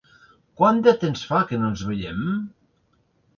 Quant de temps fa que no ens veiem?